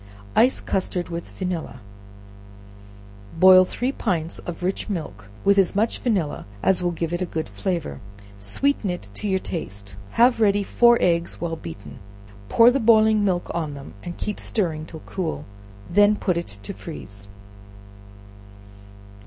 Ice Custard with Vanilla. Boil three pints of rich milk with as much vanilla as will give it a good flavor; sweeten it to your taste; have ready four eggs well beaten, pour the boiling milk on them, and keep stirring till cool; when put it to freeze.